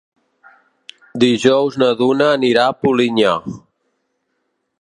Dijous na Duna anirà a Polinyà.